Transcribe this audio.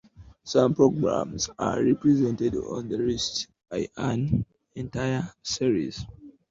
Some programmes are represented on the list by an entire series.